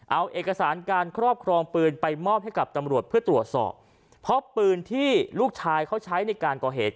เอาเอกสารการครอบครองปืนไปมอบให้กับตำรวจเพื่อตรวจสอบเพราะปืนที่ลูกชายเขาใช้ในการก่อเหตุ